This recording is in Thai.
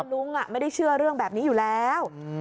ลุงไม่ได้เชื่อเรื่องแบบนี้อยู่แล้ว